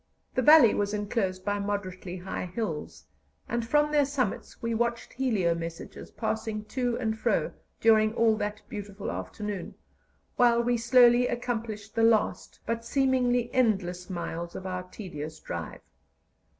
The valley was enclosed by moderately high hills, and from their summits we watched helio messages passing to and fro during all that beautiful afternoon, while we slowly accomplished the last, but seemingly endless, miles of our tedious drive.